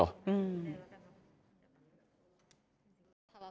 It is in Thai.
อืม